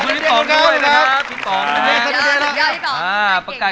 กรุงเทพหมดเลยครับ